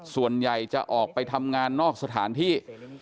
ส่วนใหญ่จะออกไปทำงานนอกสถานที่